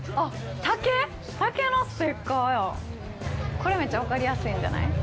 これめっちゃ分かりやすいんじゃない？